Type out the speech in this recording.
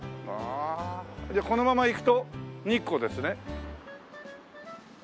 このまま行くと日光ですね。